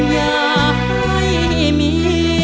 อยากให้มี